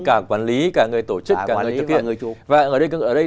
cả quản lý cả người tổ chức cả người thực hiện